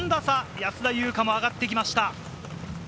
安田祐香も上がってきました。